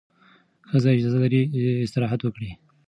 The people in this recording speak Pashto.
ښځه اجازه لري استراحت وکړي.